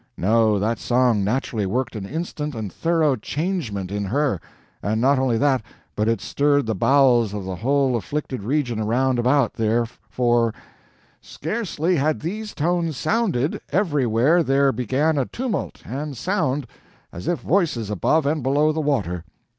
No, that song naturally worked an instant and thorough "changement" in her; and not only that, but it stirred the bowels of the whole afflicted region around about there for "Scarcely had these tones sounded, everywhere there began tumult and sound, as if voices above and below the water.